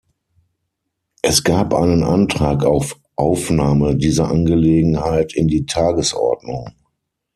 Es gab einen Antrag auf Aufnahme dieser Angelegenheit in die Tagesordnung.